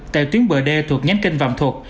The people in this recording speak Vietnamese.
tại tuyến bờ đê thuộc nhánh kênh vàng thuật